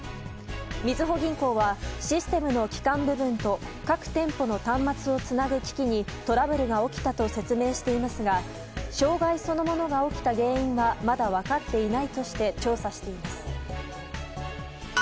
みずほ銀行はシステムの基幹部分と各店舗の端末をつなぐ機器にトラブルが起きたと説明していますが障害そのものが起きた原因がまだ分かっていないとして調査しています。